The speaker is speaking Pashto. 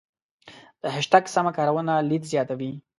د هشتګ سمه کارونه لید زیاتوي.